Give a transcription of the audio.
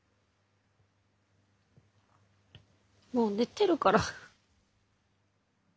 もう寝てるから。